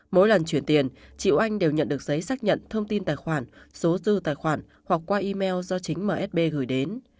mỗi lần chuyển tiền triệu anh đều nhận được giấy xác nhận thông tin tài khoản số dư tài khoản hoặc qua email do chính msb gửi đến